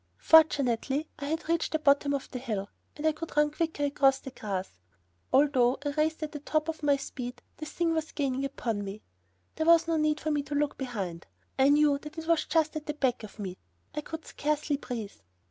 Fortunately, I had reached the bottom of the hill and I could run quicker across the grass. Although I raced at the top of my speed, the Thing was gaining upon me. There was no need for me to look behind, I knew that it was just at the back of me. I could scarcely breathe.